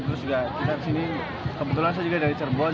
terus kita disini kebetulan saya juga dari cirebon